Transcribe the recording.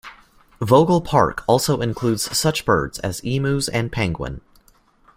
Vogel Park also includes such birds as Emus and Penguin.